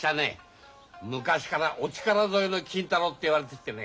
昔からお力添えの金太郎って言われててね